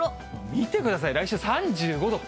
見てください、来週３５度。